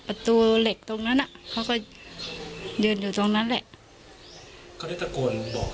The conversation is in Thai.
ประตูเหล็กตรงนั้นอ่ะเขาก็ยืนอยู่ตรงนั้นแหละเขาได้ตะโกนบอก